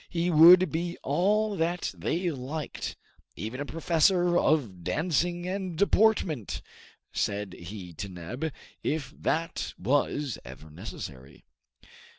He would be all that they liked, "even a professor of dancing and deportment," said he to Neb, if that was ever necessary.